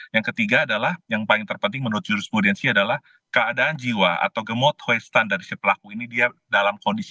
yang ketiga adalah yang paling terpenting menurut jurisprudensi adalah keadaan jiwa atau gemut hoistan dari si pelaku ini dia dalam kondisi